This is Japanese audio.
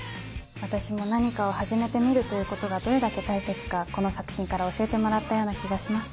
私も何かを始めてみるということがどれだけ大切かこの作品から教えてもらったような気がします。